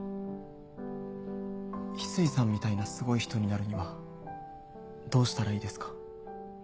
翡翠さんみたいなすごい人になるにはどうしたらいいですか？